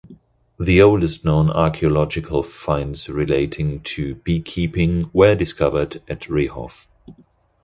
The oldest known archaeological finds relating to beekeeping were discovered at Rehov.